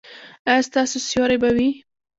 ایا ستاسو سیوری به وي؟